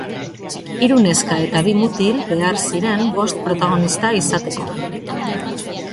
Hiru neska eta bi mutil behar ziren bost protagonista izateko.